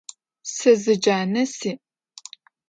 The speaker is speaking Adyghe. Se zı cane si'.